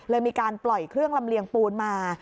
มีการปล่อยเครื่องลำเลียงปูนมา